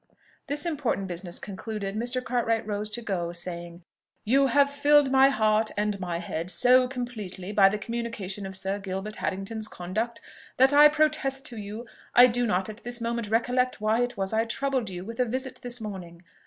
This important business concluded, Mr. Cartwright rose to go, saying, "You have filled my heart and my head so completely by the communication of Sir Gilbert Harrington's conduct, that I protest to you I do not at this moment recollect why it was I troubled you with a visit this morning.